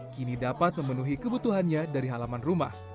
kini dapat memenuhi kebutuhannya dari halaman rumah